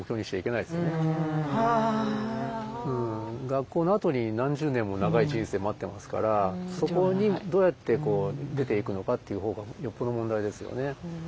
学校のあとに何十年も長い人生待ってますからそこにどうやって出ていくのかっていうほうがよっぽど問題ですよね。